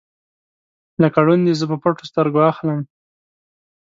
لکه ړوند یې زه په پټو سترګو اخلم